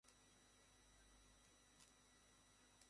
আচ্ছা, পান করে চলে যা।